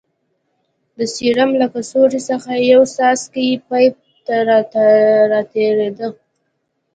د سيروم له کڅوړې څخه يو يو څاڅکى پيپ ته راتېرېده.